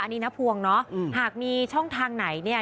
อันนี้น้าพวงเนาะหากมีช่องทางไหนเนี่ย